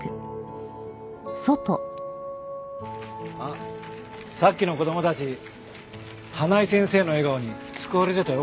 あっさっきの子供たち花井先生の笑顔に救われてたよ